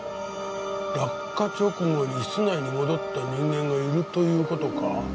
落下直後に室内に戻った人間がいるという事か。